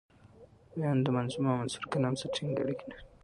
بیان د منظوم او منثور کلام سره ټینګي اړیکي لري.